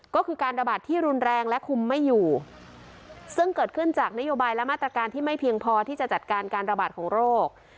ก็คือการระบาดที่รุนแรงและคุมไม่อยู่ซึ่งเกิดขึ้นจากนโยบายและมาตรการที่ไม่เพียงพอที่จะจัดการการระบาดของโรค